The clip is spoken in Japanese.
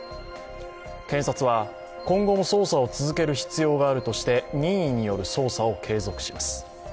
検察は、今後も捜査を続ける必要があるとして任意による捜査を継続します。